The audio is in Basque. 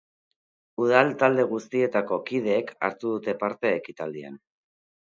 Udal talde guztietako kideek hartu dute parte ekitaldian.